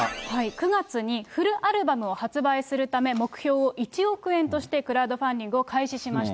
９月に、フルアルバムを発売するため、目標を１億円としてクラウドファンディングを開始しました。